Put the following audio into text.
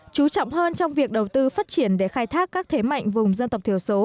chú trọng hơn trong việc đầu tư phát triển để khai thác các thế mạnh vùng dân tộc thiểu số